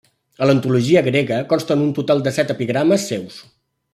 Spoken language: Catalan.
A l'antologia grega consten un total de set epigrames seus.